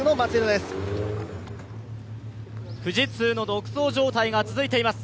富士通の独走状態が続いています。